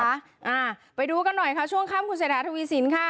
อ่าไปดูกันหน่อยค่ะช่วงค่ำคุณเศรษฐาทวีสินค่ะ